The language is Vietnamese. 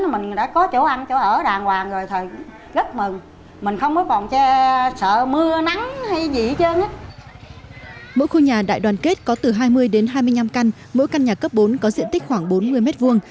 mỗi khu nhà đại đoàn kết có từ hai mươi đến hai mươi năm căn mỗi căn nhà cấp bốn có diện tích khoảng bốn mươi mét vuông